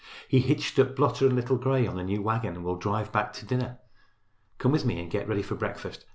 He hitched up Blotter and Little Gray on the new wagon and will drive back to dinner. Come with me and get ready for breakfast.